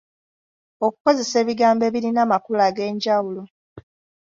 Okukozesa ebigambo ebirina amakulu ag’enjawulo.